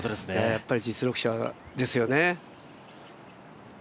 やっぱり実力者ですよね。